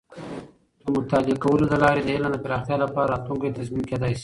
د مطالعه کولو له لارې د علم د پراختیا لپاره راتلونکې تضمین کیدی شي.